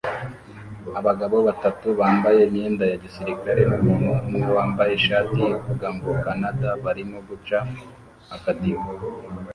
Abagabo batatu bambaye imyenda ya gisirikare numuntu umwe wambaye ishati ivuga ngo "Canada" barimo guca akadiho